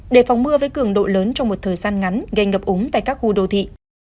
đề phòng mưa với cường độ lớn trong một thời gian ngắn gây ngập úng tại các khu đô thị